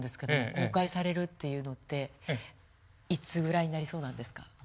公開されるっていうのっていつぐらいになりそうなんですか。